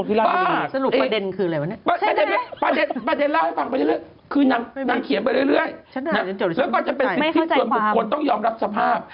ประเด็นคืออะไรวะเนี่ยประเด็นเล่าให้ฟังคือนางเขียนไปเรื่อยแล้วก็จะเป็นสิทธิส่วนบุคคลต้องยอมรับสภาพ